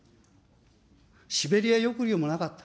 シベリア抑留もなかった。